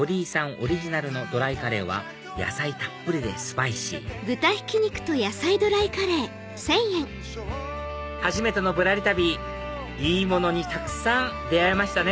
オリジナルのドライカレーは野菜たっぷりでスパイシー初めての『ぶらり旅』いいものにたくさん出会えましたね！